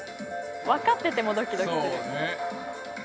・わかっててもドキドキする・そうね。